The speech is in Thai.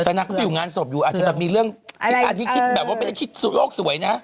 แต่นางก็ไปอยู่งานศพอยู่อาจจะแบบมีเรื่องอันนี้คิดแบบว่าไม่ได้คิดโลกสวยนะ